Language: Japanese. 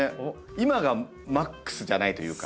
今がマックスじゃないというか。